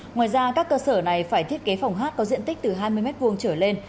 ngoài ra các cơ sở này phải thiết kế phòng hát có diện tích từ hai mươi m hai trở lên